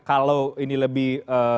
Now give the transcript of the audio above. kalau ini lebih